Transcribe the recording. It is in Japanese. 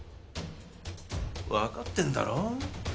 わかってんだろ？